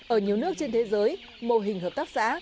ở nhiều nước trên thế giới mô hình hợp tác xã